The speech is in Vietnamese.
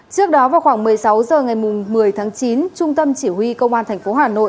trước đó vào khoảng một mươi sáu h ngày một mươi tháng chín trung tâm chỉ huy công an tp hà nội